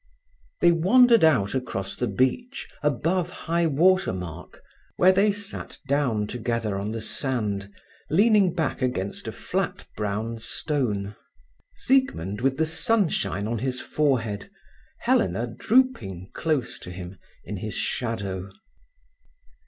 They wandered out across the beach above high water mark, where they sat down together on the sand, leaning back against a flat brown stone, Siegmund with the sunshine on his forehead, Helena drooping close to him, in his shadow.